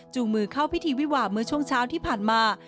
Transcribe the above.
มือเข้าพิธีวิวาเมื่อช่วงเช้าที่ผ่านมา